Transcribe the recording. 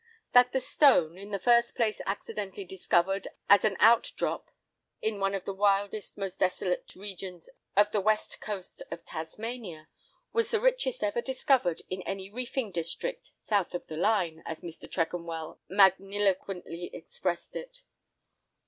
That the stone, in the first place accidentally discovered as an out drop in one of the wildest, most desolate, regions of the West Coast of Tasmania, was the richest ever discovered in any reefing district "South of the Line," as Mr. Tregonwell magniloquently expressed it.